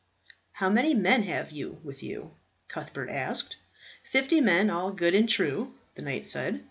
"How many men have you with you?" Cuthbert asked. "Fifty men, all good and true," the knight said.